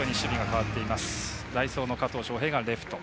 代走の加藤翔平がレフト。